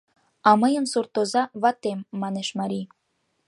— А мыйын суртоза — ватем, — манеш марий.